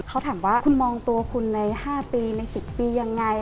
เขาถามว่าคุณมองตัวคุณใน๕ปีใน๑๐ปียังไง